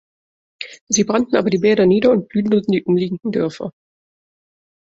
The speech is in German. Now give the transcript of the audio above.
Sie brannten aber die Bäder nieder und plünderten die umliegenden Dörfer.